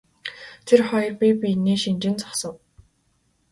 Тэр хоёр бие биенээ шинжин зогсов.